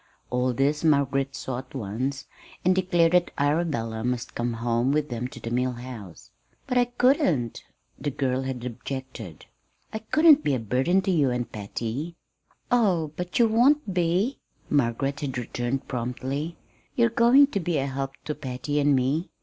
All this Margaret saw at once and declared that Arabella must come home with them to the Mill House. "But I couldn't," the girl had objected. "I couldn't be a burden to you and Patty." "Oh, but you won't be," Margaret had returned promptly. "You're going to be a help to Patty and me.